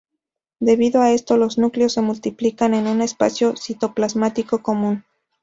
Debido a esto, los núcleos se multiplican en un espacio citoplasmático común.